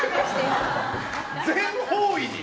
全方位に。